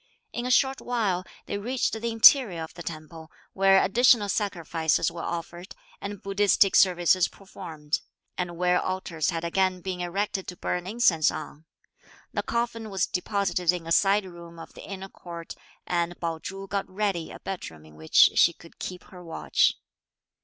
In a short while, they reached the interior of the temple, where additional sacrifices were offered and Buddhistic services performed; and where altars had again been erected to burn incense on. The coffin was deposited in a side room of the inner court; and Pao Chu got ready a bed room in which she could keep her watch.